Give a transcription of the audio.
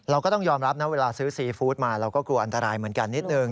เราก็ต้องยอมรับนะเวลาซื้อซีฟู้ดมาเราก็กลัวอันตรายเหมือนกันนิดนึง